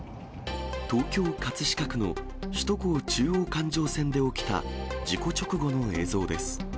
東京・葛飾区の首都高中央環状線で起きた事故直後の映像です。